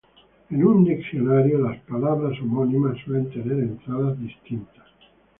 En un diccionario, las palabras homónimas suelen tener entradas distintas.